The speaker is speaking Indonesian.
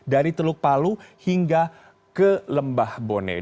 dari teluk palu hingga ke lembah bone